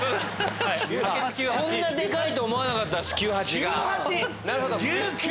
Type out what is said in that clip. こんなでかいと思わなかった球八が。